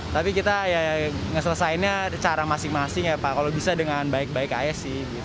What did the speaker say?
tapi kita ya ngeselesainnya cara masing masing ya pak kalau bisa dengan baik baik aja sih